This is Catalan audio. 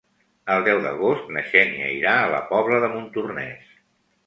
El deu d'agost na Xènia irà a la Pobla de Montornès.